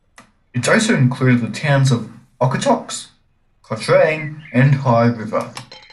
It also included the towns of Okotoks, Cochrane, and High River.